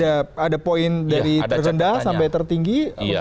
ada poin dari terendah sampai tertinggi